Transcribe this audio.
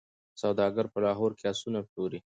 سوداګر په لاهور کي آسونه پلوري.